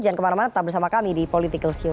jangan kemana mana tetap bersama kami di politikalsium